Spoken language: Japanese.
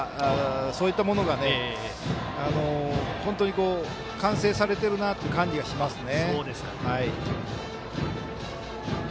そういったものが本当に完成されてるなという感じがしますね。